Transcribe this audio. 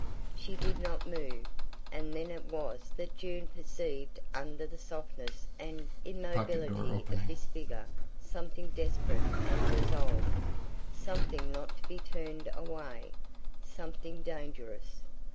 She did not move. And then it was that June perceived under the softness and immobility of this figure something desperate and resolved; something not to be turned away, something dangerous.